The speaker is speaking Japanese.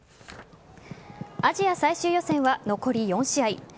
アジア最終予選は残り４試合。